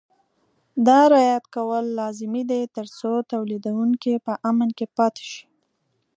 دا رعایت کول لازمي دي ترڅو تولیدوونکي په امن کې پاتې شي.